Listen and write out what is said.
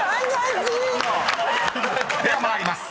［では参ります。